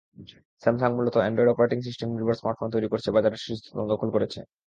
Samsung মূলত Android operating সিস্টেমনির্ভর smartphone তৈরি করেছে বাজারের শীর্ষস্থান দখল করেছে।